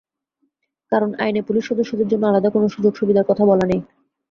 কারণ আইনে পুলিশ সদস্যদের জন্য আলাদা কোন সুযোগ-সুবিধার কথা বলা নেই।